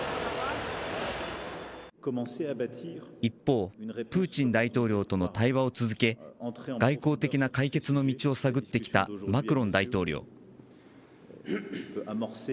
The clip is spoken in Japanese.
一方、プーチン大統領との対話を続け、外交的な解決の道を探ってきたマクロン大統領。